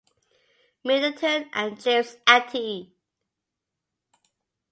Middleton and James Atty.